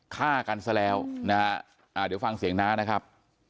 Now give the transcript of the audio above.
ฆ่ากันซะแล้วนะฮะเดี๋ยวฟังเสียงน้านะครับ